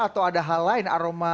atau ada hal lain aroma